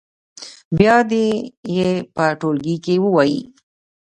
بیا دې یې په ټولګي کې ووایي.